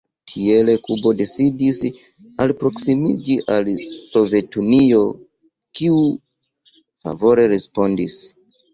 Tiele Kubo decidis alproksimiĝi al Sovetunio kiu favore respondis.